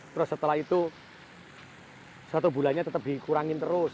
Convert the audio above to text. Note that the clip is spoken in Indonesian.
terus setelah itu satu bulannya tetap dikurangin terus